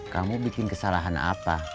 kamu bikin kesalahan apa